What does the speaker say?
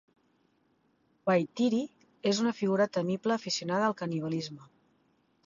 Whaitiri és una figura temible aficionada al canibalisme.